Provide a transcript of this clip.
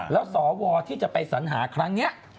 แล้วสวที่จะไปสัญหาครั้งนี้